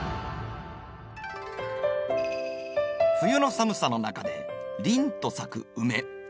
冬の寒さの中で凜と咲くウメ。